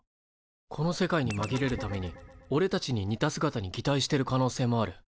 この世界にまぎれるためにおれたちに似た姿にぎたいしてる可能性もある。